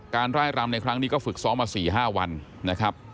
ร่ายรำในครั้งนี้ก็ฝึกซ้อมมา๔๕วันนะครับ